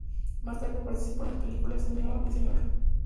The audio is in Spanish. Más tarde participó en las películas "Sr. y Sra.